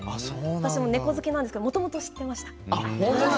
私も猫好きなのでもともと知っていました。